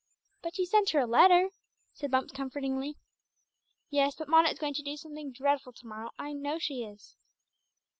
"But you sent her a letter," said Bumps comfortingly. "Yes, but Mona is going to do something dreadful to morrow. I know she is."